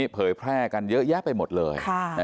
เผยแพร่กันเยอะแยะไปหมดเลย